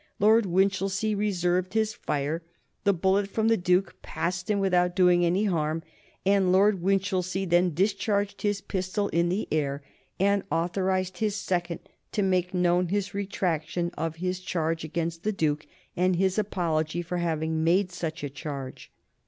Lord Winchilsea reserved his fire, the bullet from the Duke's pistol passed him without doing any harm, and Lord Winchilsea then discharged his pistol in the air, and authorized his second to make known his retraction of his charge against the Duke, and his apology for having made such a charge.